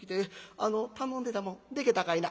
あの頼んでたもんでけたかいな？」。